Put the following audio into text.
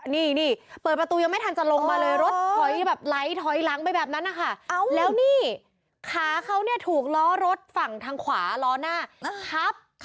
นี่เปิดประตูยังไม่ทันจะลงมาเลยรถถอยแบบไหลถอยหลังไปแบบนั้นนะคะแล้วนี่ขาเขาเนี่ยถูกล้อรถฝั่งทางขวาล้อหน้าแล้วทับ